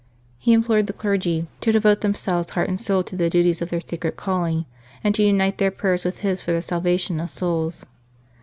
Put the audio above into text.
He implored the clergy to devote them selves heart and soul to the duties of their sacred calling, and to unite their prayers with his for the salvation of souls.